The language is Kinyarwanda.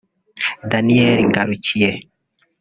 Daniel Ngarukiye